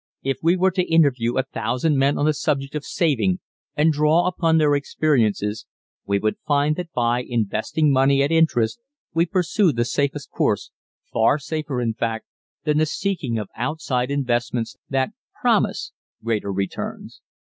If we were to interview a thousand men on the subject of saving and draw upon their experiences we would find that by investing money at interest we pursue the safest course, far safer, in fact, than the seeking of outside investments that promise greater returns.